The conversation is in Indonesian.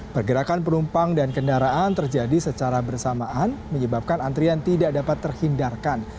pergerakan penumpang dan kendaraan terjadi secara bersamaan menyebabkan antrian tidak dapat terhindarkan